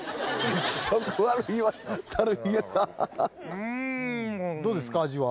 うんどうですか味は？